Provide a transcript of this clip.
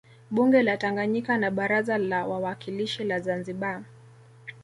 Bunge la Tanganyika na Baraza la Wawakilishi la Zanzibar